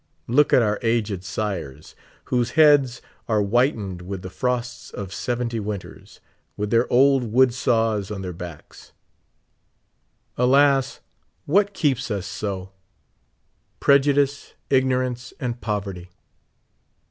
Look at our aged sires, whose heads are whitened with the frosts of seventy winters, with their old wood saw3 on their J}^cks. Alas, what 69 keeps us so? Prejudice, ignorance, and poverty.